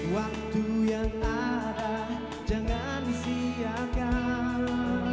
waktu yang ada jangan disiakan